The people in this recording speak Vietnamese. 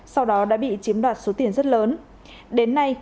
sau đó đã bị chiếm đoạt số tiền rất lớn đến nay